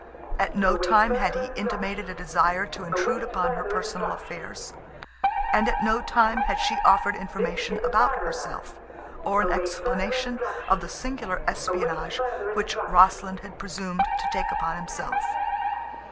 At no time had he intimated a desire to intrude upon her personal affairs, and at no time had she offered information about herself, or an explanation of the singular espionage which Rossland had presumed to take upon himself.